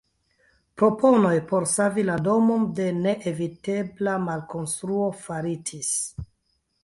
Proponoj por savi la domon de neevitebla malkonstruo faritis.